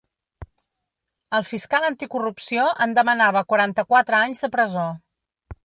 El fiscal anticorrupció en demanava quaranta-quatre anys de presó.